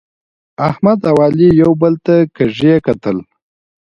احمد او علي یو بل ته کږي کتل.